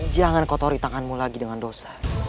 jangan kotori tanganmu lagi dengan dosa